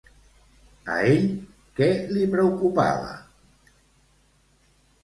A ell què li preocupava?